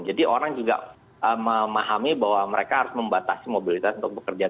jadi orang juga memahami bahwa mereka harus membatasi mobilitas untuk bekerja